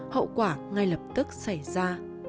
hậu quả ngay lập tức xảy ra